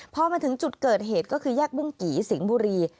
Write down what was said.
พอมาถึงจุดเกิดเหตุก็คือแยกบุ้งกี่สิงห์บุรี